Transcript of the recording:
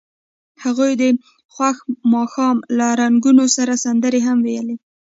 هغوی د خوښ ماښام له رنګونو سره سندرې هم ویلې.